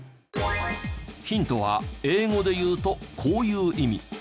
ヒントは英語でいうとこういう意味。